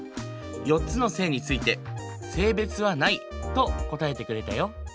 ４つの性について性別はないと答えてくれたよ。